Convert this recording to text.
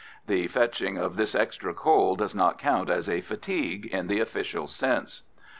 The fetching of this extra coal does not count as a "fatigue" in the official sense.